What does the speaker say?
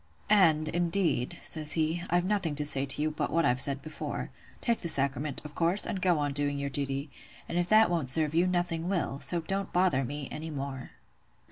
"'And, indeed,' says he, 'I've nothing to say to you but what I've said before. Take the sacrament, of course, and go on doing your duty; and if that won't serve you, nothing will. So don't bother me any more.